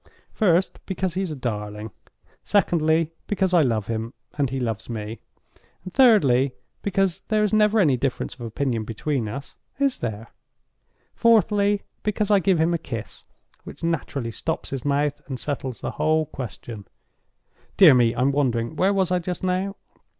First, because he's a darling; secondly, because I love him, and he loves me; thirdly, because there is never any difference of opinion between us (is there?); fourthly, because I give him a kiss, which naturally stops his mouth and settles the whole question. Dear me, I'm wandering. Where was I just now?